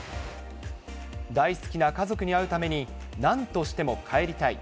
大好きな家族に会うために、なんとしても帰りたい。